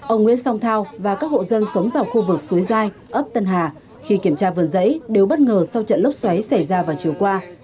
ông nguyễn song thao và các hộ dân sống dòng khu vực suối dai ấp tân hà khi kiểm tra vườn rẫy đều bất ngờ sau trận lốc xoáy xảy ra và chiều qua